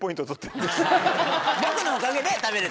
僕のおかげで食べれた。